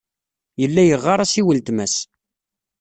Yella yeɣɣar-as i weltma-s.